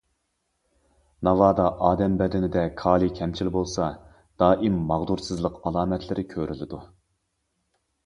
ناۋادا ئادەم بەدىنىدە كالىي كەمچىل بولسا، دائىم ماغدۇرسىزلىق ئالامەتلىرى كۆرۈلىدۇ.